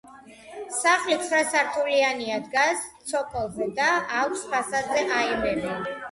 სახლი ცხრა სართულიანია, დგას ცოკოლზე და აქვს ფასადზე აივნები.